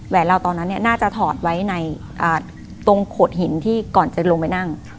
เราตอนนั้นน่าจะถอดไว้ในตรงโขดหินที่ก่อนจะลงไปนั่ง